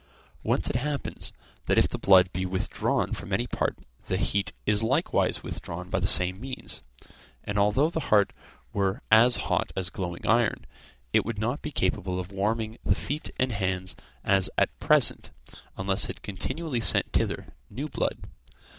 Whence it happens, that if the blood be withdrawn from any part, the heat is likewise withdrawn by the same means; and although the heart were as hot as glowing iron, it would not be capable of warming the feet and hands as at present, unless it continually sent thither new blood.